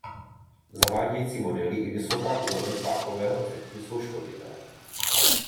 Zavádějící modely i vysoká úroveň pákového efektu jsou škodlivé.